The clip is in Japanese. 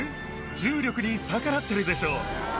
重力に逆らってるでしょう？